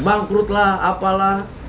bangkrut lah apalah